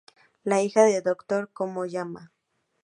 La hija del Doctor Yokoyama.